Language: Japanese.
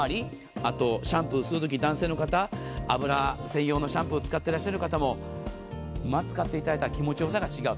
あと、シャワーする時男性の方、脂専用のシャンプーを使っていらっしゃる方も使っていただいたら気持ちよさが違う。